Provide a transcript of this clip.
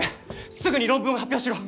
すぐに論文を発表しろ！